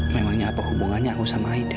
memangnya apa hubungannya aku sama aida